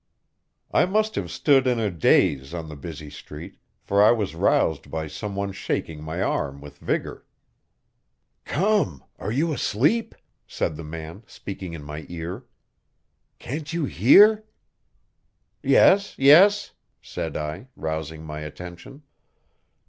I must have stood in a daze on the busy street, for I was roused by some one shaking my arm with vigor. "Come! are you asleep?" said the man, speaking in my ear. "Can't you hear?" "Yes, yes," said I, rousing my attention.